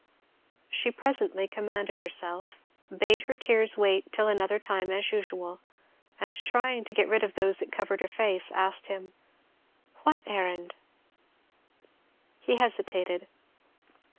She presently commanded herself, bade her tears wait till another time as usual, and trying to get rid of those that covered her face, asked him, "What errand?" He hesitated.